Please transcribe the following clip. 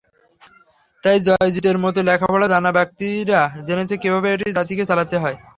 তাই জয়োজিতের মতো লেখাপড়া জানা ব্যক্তিরা জেনেছে কীভাবে একটি জাতিকে চালাতে হয়।